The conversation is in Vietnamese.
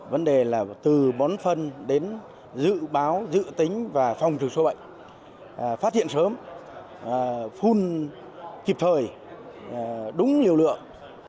vấn đề là từ bón phân đến dự báo dự tính và phòng trừ sâu bệnh phát triển sớm full kịp thời đúng nhiều lượng